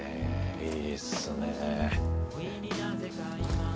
いいですね！